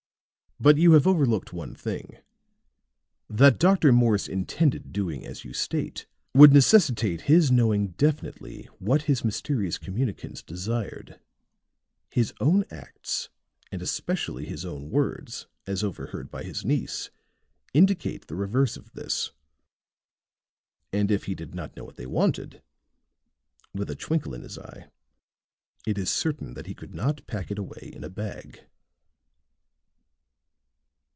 But you have overlooked one thing. That Dr. Morse intended doing as you state would necessitate his knowing definitely what his mysterious communicants desired. His own acts and especially his own words, as overheard by his niece, indicate the reverse of this. And if he did not know what they wanted," with a twinkle in his eye, "it is certain that he could not pack it away in a bag."